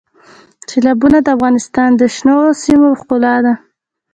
سیلابونه د افغانستان د شنو سیمو ښکلا ده.